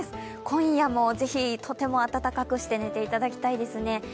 今夜もぜひ、とても暖かくして寝ていただきたいですね。